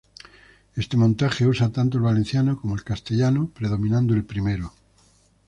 Este montaje usa tanto el valenciano como el castellano, predominando el primero.